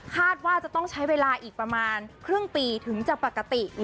ว่าจะต้องใช้เวลาอีกประมาณครึ่งปีถึงจะปกติ